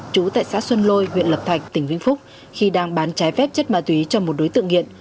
chú tại xã xuân lôi huyện lập thạch tỉnh vĩnh phúc khi đang bán trái phép chất ma túy cho một đối tượng nghiện